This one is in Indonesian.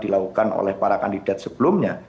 dilakukan oleh para kandidat sebelumnya